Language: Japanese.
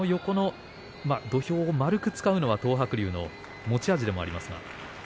土俵を円く使うのが東白龍の持ち味でもあります。